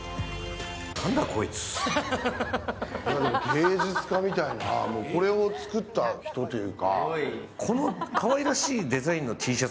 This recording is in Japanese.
芸術家みたいな、これをつくった人みたいな。